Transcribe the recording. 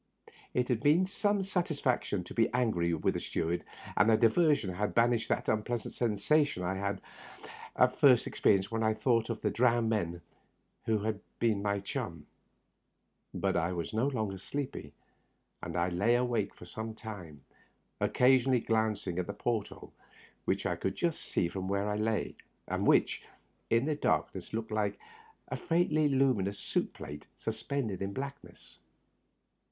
It had been some satisfaction to be angry with the steward, and the diversion had banished that unpleasant sensation I had at first experienced when I thought of the drowned man who had been my chum ; but I was no longer sleepy, and I lay awake for some time, occasion ally glancing at the port hole, which I could just see from where I lay, and which, in the darkness, looked like a faintly luminous soup plate suspended in blackness.